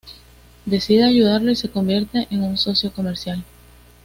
Decide ayudarlo y se convierte en su socio comercial.